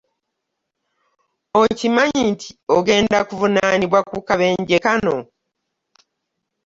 Okimanyi nti ogenda kuvunanibwa lwa kabenje kano.